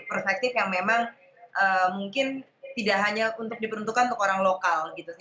perspektif yang memang mungkin tidak hanya untuk diperuntukkan untuk orang lokal